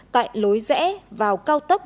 tại lối rẽ vào cao tốc